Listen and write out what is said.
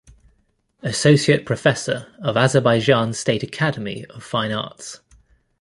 Associate Professor of Azerbaijan State Academy of Fine Arts.